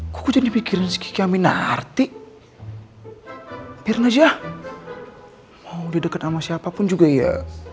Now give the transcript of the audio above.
kukucenya pikiran kiki amin arti arti aja mau di dekat sama siapapun juga ya